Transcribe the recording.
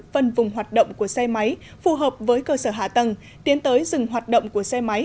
phân vùng hoạt động của xe máy phù hợp với cơ sở hạ tầng tiến tới dừng hoạt động của xe máy